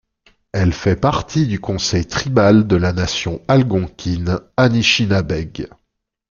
Elle fait partie du conseil tribal de la Nation algonquine Anishinabeg.